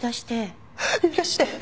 許して！